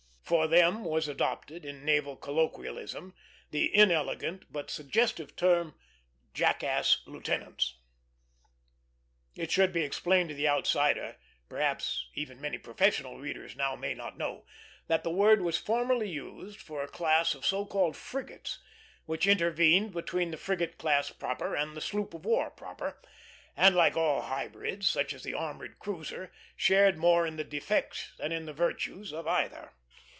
For them was adopted, in naval colloquialism, the inelegant but suggestive term "jackass" lieutenants. It should be explained to the outsider, perhaps even many professional readers now may not know, that the word was formerly used for a class of so called frigates which intervened between the frigate class proper and the sloop of war proper, and like all hybrids, such as the armored cruiser, shared more in the defects than in the virtues of either.